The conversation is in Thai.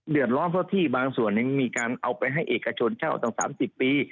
เดือดร้อนเพราะที่อย่างบางที่มีการเอาไปให้เอกชนเธอตั้ง๓๐ปี